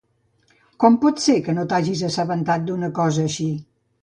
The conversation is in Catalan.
Com pot ser que no t'hagis assabentat d'una cosa així?